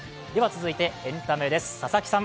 続いてエンタメです。